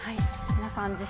皆さん。